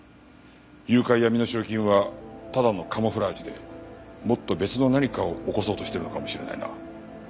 誘拐や身代金はただのカムフラージュでもっと別の何かを起こそうとしてるのかもしれないな。